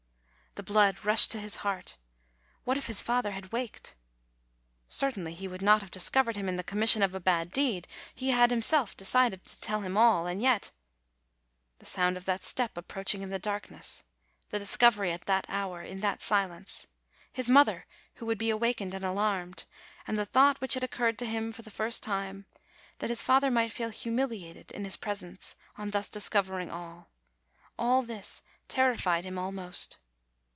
The blood rushed to his heart. What if his father had waked! Certainly he would not have dis covered him in the commission of a bad deed: he had himself decided to tell him all, and yet the sound of that step approaching in the darkness, the discovery at that hour, in that silence, his mother, who would be awakened and alarmed, and the thought, which had occurred to him for the first time, that his father might feel humiliated in his presence on thus discover ing all; all this terrified him almost.